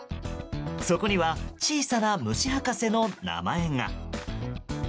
そこには小さな虫博士の名前が。